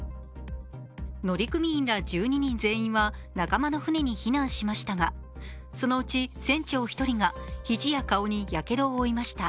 乗組員ら１２人全員は仲間の船に避難しましたがそのうち船長１人がひじや顔にやけどを負いました。